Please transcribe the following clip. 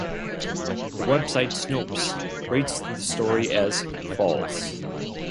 The website Snopes rates the story as false.